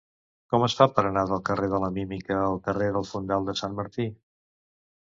Com es fa per anar del carrer de la Mímica al carrer del Fondal de Sant Martí?